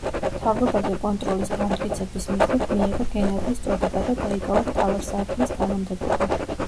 მთავრობაზე კონტროლის განმტკიცების მიზნით მიიღო გენერლის წოდება და დაიკავა მთავარსარდლის თანამდებობა.